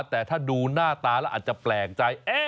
แต่ถ้าดูหน้าตาแล้วอาจจะแปลกใจ